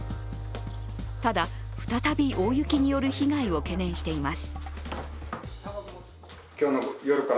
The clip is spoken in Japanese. ただ、再び大雪による被害を懸念しています。